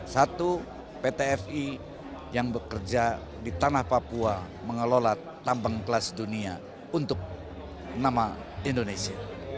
satu pt fi yang bekerja di tanah papua mengelola tambang kelas dunia untuk nama indonesia